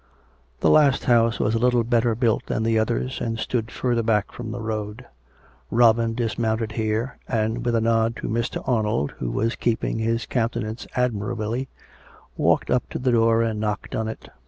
The last house was a little better built than the others, and stood further back from the road. Robin dismounted here, and, with a nod to Mr. Arnold, who was keeping his countenance admirably, walked up to the door and knocked on it.